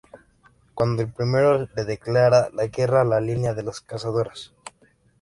Cuando el primero le declara la guerra a la línea de las cazadoras.